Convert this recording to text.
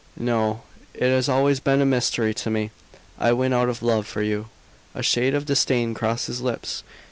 "No. It has always been a mystery to me." "I went out of love for you." A shade of disdain crossed his lips.